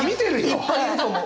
いっぱいいると思う。